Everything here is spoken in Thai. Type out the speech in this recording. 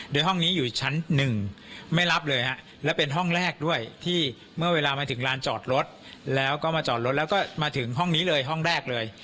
โดยห้องนี้อยู่ชั้นหนึ่งไม่รับเลยฮะและเป็นห้องแรกด้วยที่เมื่อเวลามาถึงลานจอดรถแล้วก็มาจอดรถแล้วก็มาถึงห้องนี้เลยห้องแรกเลย